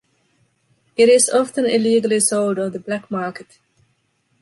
It is often illegally sold on the black market.